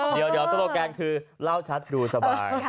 เดี๋ยวโซโลแกนคือเล่าชัดดูสบาย